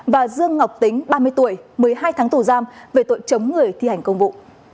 và dương ngọc tính ba mươi tuổi một mươi hai tháng tù giam về tội chống người thi hành công vụ